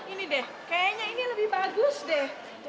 ini deh kayaknya ini lebih bagus deh